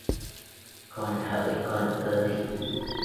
Con hởi con ơi!